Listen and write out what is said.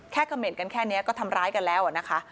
แค่เขม่นกันแค่นี้ก็ทำร้ายกันแล้ว